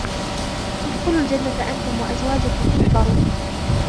ادْخُلُوا الْجَنَّةَ أَنْتُمْ وَأَزْوَاجُكُمْ تُحْبَرُونَ